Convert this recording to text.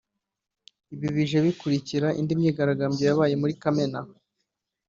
Ibi bije bikurikira indi myigaragambyo yabaye muri Kamena